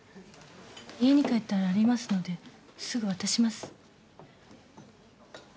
家に帰ったらありますのですぐ渡します。